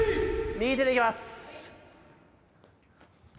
右手でいきます。